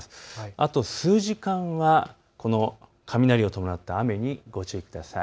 あと数時間はこの雷を伴った雨にご注意ください。